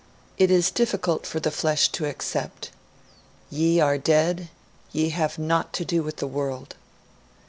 It is difficult for the flesh to accept: "Ye are dead, ye have naught to do with the world".